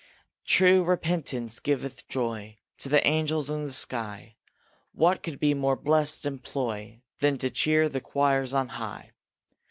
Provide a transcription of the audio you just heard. True repentance giveth joy To the angels in the sky. What could be more blest employ Than to cheer the choirs on high?